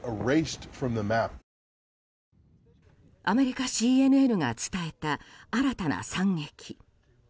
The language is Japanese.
アメリカＣＮＮが伝えた新たな惨劇。